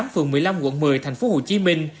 phường một mươi năm quận một mươi thành phố hồ chí minh